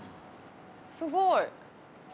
すごい。